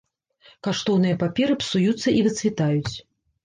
Каштоўныя паперы псуюцца і выцвітаюць.